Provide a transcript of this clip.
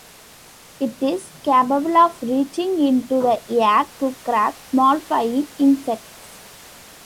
It is capable of reaching into the air to grab small flying insects.